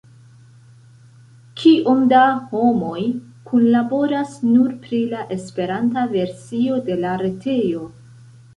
Kiom da homoj kunlaboras nun pri la Esperanta versio de la retejo?